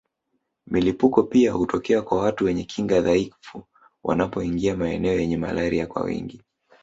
Milipuko pia hutokea kwa watu wenye kinga dhaifu wanapoingia maeneo yenye malaria kwa wingi